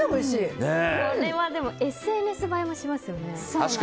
これはＳＮＳ映えもしますよね。